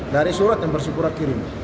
dari surat yang persipura kirim